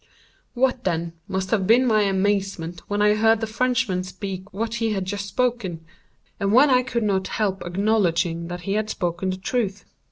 What, then, must have been my amazement when I heard the Frenchman speak what he had just spoken, and when I could not help acknowledging that he had spoken the truth.